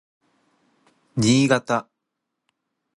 新潟